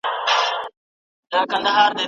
د ښوونکو د هڅونې لپاره د تقدیرنامو ویش نه و.